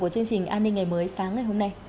của chương trình an ninh ngày mới sáng ngày hôm nay